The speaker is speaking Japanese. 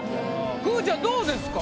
くーちゃんどうですか？